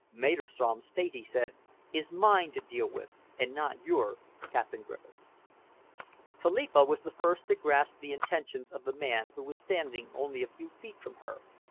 "Maderstrom's fate," he said, "is mine to deal with and not yours, Captain Griffiths." Philippa was the first to grasp the intentions of the man who was standing only a few feet from her.